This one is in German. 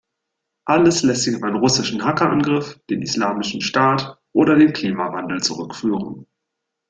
Alles lässt sich auf einen russischen Hackerangriff, den Islamischen Staat oder den Klimawandel zurückführen.